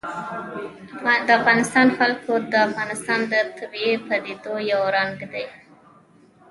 د افغانستان جلکو د افغانستان د طبیعي پدیدو یو رنګ دی.